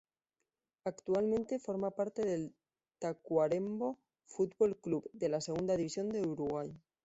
Actualmente forma parte del Tacuarembó Futbol Club de la Segunda División de Uruguay.